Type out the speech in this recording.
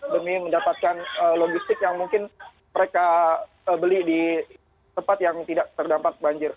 demi mendapatkan logistik yang mungkin mereka beli di tempat yang tidak terdampak banjir